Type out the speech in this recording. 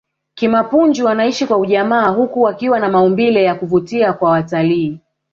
kimapunju wanaishi kwa ujamaa huku wakiwa na maumbile ya kuvutia kwa watalii